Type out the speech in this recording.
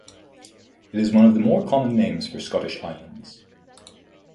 It is one of the more common names for Scottish islands.